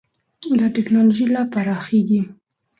دا ټېکنالوژي لا پراخېږي.